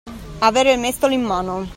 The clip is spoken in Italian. Avere il mestolo in mano.